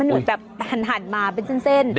มันเหมือนแบบหันมาเป็นเส้น